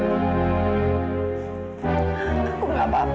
aku gak bapak